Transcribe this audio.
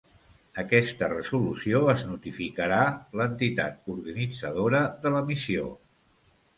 Aquesta resolució es notificarà l'entitat organitzadora de la missió.